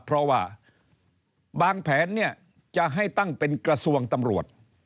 เพราะว่าบางแผนเนี่ยจะให้ตั้งเป็นกระทรวงตำรวจ